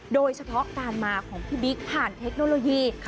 โดยเฉพาะการมาของพี่บิ๊กผ่านเทคโนโลยี